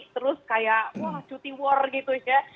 terus kayak wah cuti war gitu ya